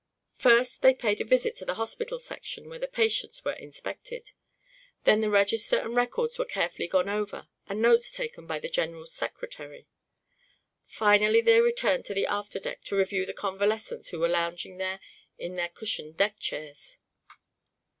First they paid a visit to the hospital section, where the patients were inspected. Then the register and records were carefully gone over and notes taken by the general's secretary. Finally they returned to the after deck to review the convalescents who were lounging there in their cushioned deck chairs.